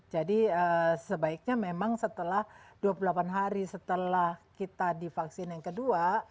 jadi sebaiknya memang setelah dua puluh delapan hari setelah kita divaksin yang kedua